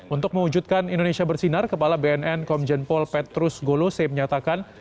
untuk mewujudkan indonesia bersinar kepala bnn komjen pol petrus golose menyatakan